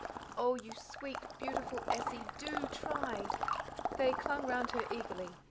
"Oh, you sweet, beautiful Essie, do try!" They clung round her eagerly.